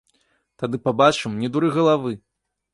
Тады пабачым, не дуры галавы!